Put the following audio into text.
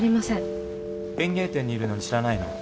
園芸店にいるのに知らないの？